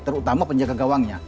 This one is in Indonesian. terutama penjaga gawangnya